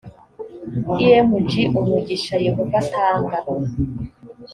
img umugisha yehova atanga